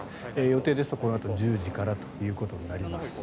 予定ですとこのあと１０時からということになります。